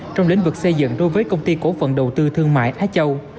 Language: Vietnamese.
trong lĩnh vực xây dựng đối với công ty cổ phận đầu tư thương mại á châu